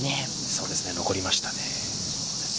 そうですね、残りました